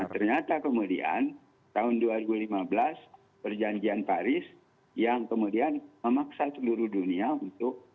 ternyata kemudian tahun dua ribu lima belas perjanjian paris yang kemudian memaksa seluruh dunia untuk